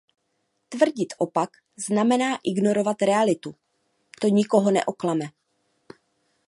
Tvrdit opak znamená ignorovat realitu; to nikoho neoklame.